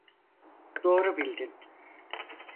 Doğru bildin.